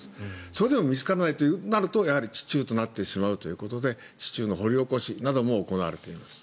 それでも見つからないとなると地中となってしまうということで地中の掘り起こしなども行われています。